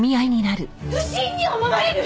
不審に思われる！